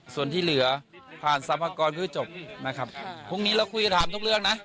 ส่วนที่เหลือผ่านทรัพยากรเพื่อจบนะครับพรุ่งนี้เราคุยกันถามทุกเรื่องนะ